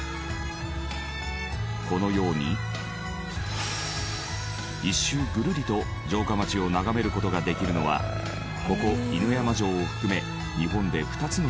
このように一周ぐるりと城下町を眺める事ができるのはここ犬山城を含め日本で２つの城だけなのです。